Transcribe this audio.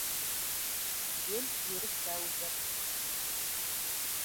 Ел ереккә үтер.